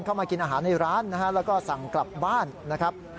มากินอาหารในร้านนะฮะแล้วก็สั่งกลับบ้านนะครับ